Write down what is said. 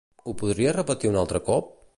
Ho podries repetir un altre cop?